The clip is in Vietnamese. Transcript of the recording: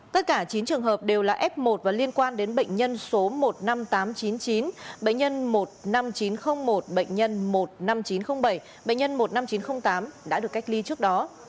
tất cả chín trường hợp đều là f một và liên quan đến bệnh nhân số một mươi năm nghìn tám trăm chín mươi chín bệnh nhân một mươi năm nghìn chín trăm linh một bệnh nhân một mươi năm nghìn chín trăm linh bảy bệnh nhân một mươi năm nghìn chín trăm linh tám đã được cách ly trước đó